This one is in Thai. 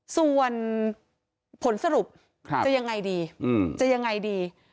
ส่วนผลสรุปจะยังไงดี